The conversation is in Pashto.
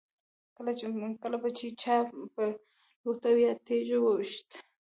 کله به چې چا په لوټه او یا تیږه و ویشت.